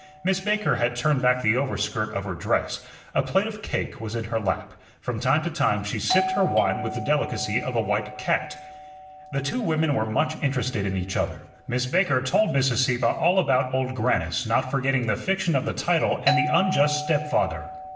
Miss Baker had turned back the overskirt of her dress; a plate of cake was in her lap; from time to time she sipped her wine with the delicacy of a white cat. The two women were much interested in each other. Miss Baker told Mrs. Sieppe all about Old Grannis, not forgetting the fiction of the title and the unjust stepfather.